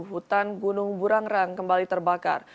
hutan gunung burang rang kembali terbakar